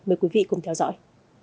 mời quý vị cùng theo dõi